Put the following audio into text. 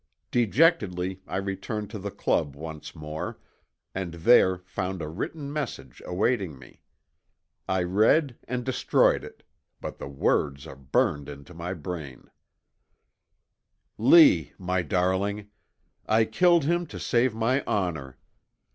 "Dejectedly I returned to the Club once more and there found a written message awaiting me. I read and destroyed it, but the words are burned into my brain: 'Lee, my darling: I killed him to save my honor.